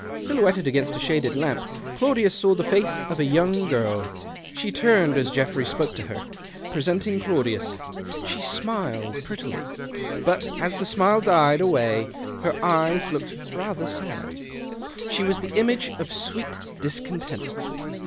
Silhouetted against a shaded lamp, Claudius saw the foce of a young girl. She turned as Geoffrey spoke to her, presenting Claudius. She smiled prettily ; but as the smile died away her eyes looked rather sad. She was the image of sweet discontent.